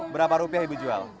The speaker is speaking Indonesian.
berapa rupiah ibu jual